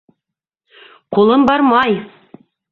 Ҡулым бармай!